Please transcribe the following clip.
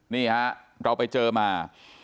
นี่ฮะเราไปเจอมา